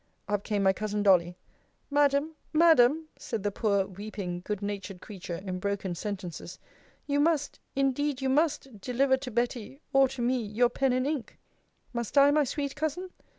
Up came my cousin Dolly Madam! Madam! said the poor weeping, good natured creature, in broken sentences you must indeed you must deliver to Betty or to me your pen and ink. Must I, my sweet Cousin?